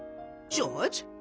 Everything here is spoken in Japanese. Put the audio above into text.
ジョージ。